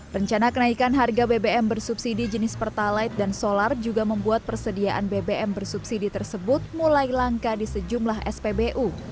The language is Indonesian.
rencana kenaikan harga bbm bersubsidi jenis pertalite dan solar juga membuat persediaan bbm bersubsidi tersebut mulai langka di sejumlah spbu